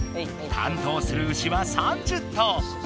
担当する牛は３０頭。